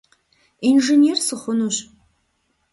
Инженер сыхъунущ.